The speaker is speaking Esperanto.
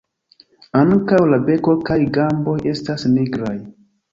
Ankaŭ la beko kaj gamboj estas nigraj.